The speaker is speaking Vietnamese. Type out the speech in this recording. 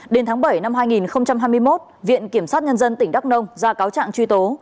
đến tháng bảy năm hai nghìn hai mươi một viện kiểm sát nhân dân tỉnh đắk nông ra cáo trạng truy tố